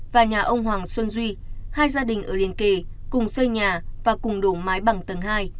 và nhà ông hoàng xuân duy hai gia đình ở liên kề cùng xây nhà và cùng đổ mái bằng tầng hai